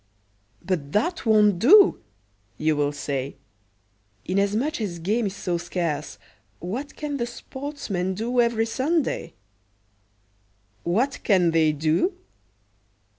"But that won't do!" you will say. Inasmuch as game is so scarce, what can the sportsmen do every Sunday? What can they do?